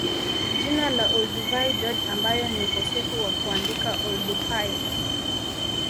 Jina la Olduvai Gorge ambayo ni ukosefu wa kuandika Oldupai